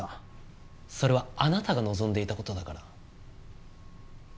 それはあなたが望んでいた事だから。